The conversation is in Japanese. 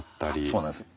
そうなんです。